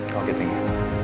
kalau gitu ya